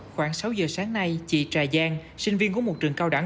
khoảng sáu giờ sáng nay chị trà giang sinh viên của một trường cao đẳng